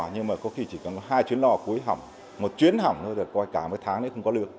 nhưng mà có khi chỉ cần hai chuyến lò cuối hỏng một chuyến hỏng thôi được coi cả mấy tháng đấy không có lược